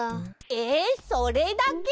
ええそれだけ？